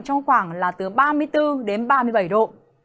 trong khoảng là từ ba mươi bốn đến ba mươi bảy độ